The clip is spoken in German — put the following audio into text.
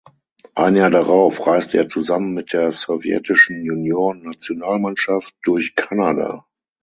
Ein Jahr darauf reiste er zusammen mit der sowjetischen Juniorennationalmannschaft durch Kanada.